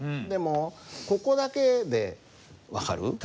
でもここだけで分かる？